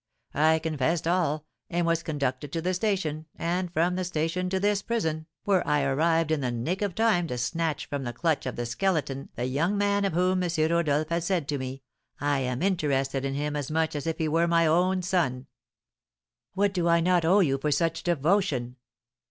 I confessed all, and was conducted to the station, and from the station to this prison, where I arrived in the nick of time to snatch from the clutch of the Skeleton the young man of whom M. Rodolph had said to me, 'I am interested in him as much as if he were my own son.'" "What do I not owe you for such devotion?"